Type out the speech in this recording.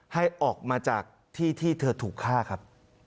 ให้ออกมาจากที่ที่เธอถูกฆ่าครับ